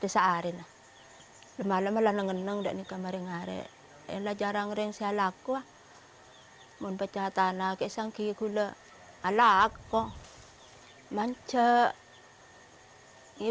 saya tidak bisa sampai di lantai